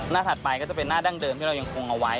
ถัดไปก็จะเป็นหน้าดั้งเดิมที่เรายังคงเอาไว้